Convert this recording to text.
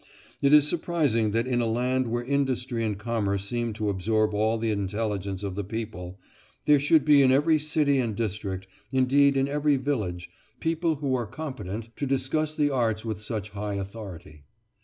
It is surprising that in a land where industry and commerce seem to absorb all the intelligence of the people, there should be in every city and district, indeed in every village, people who are competent to discuss the arts with such high authority.